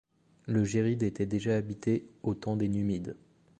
Le Jérid était déjà habité au temps des Numides.